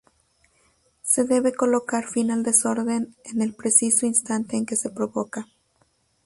Se debe colocar fin al desorden en el preciso instante en que se provoca.